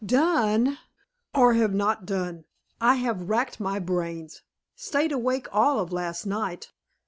"Done?" "Or have not done? I have racked my brains stayed awake all of last night.